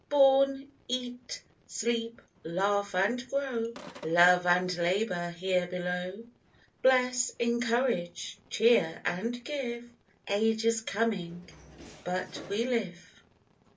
Born, eat, sleep, laugh and grow Love and labor here below. Bless, encourage, cheer and give, Age is coming, but we live.